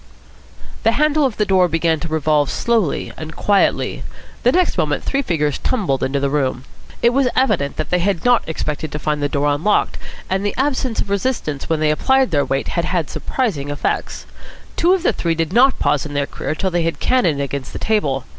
The handle of the door began to revolve slowly and quietly. The next moment three figures tumbled into the room. It was evident that they had not expected to find the door unlocked, and the absence of resistance when they applied their weight had had surprising effects. Two of the three did not pause in their career till they cannoned against the table.